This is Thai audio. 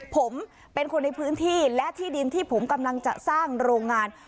ผมเป็นคนในพื้นที่และที่ดินที่ผมกำลังจะสร้างโรงงาน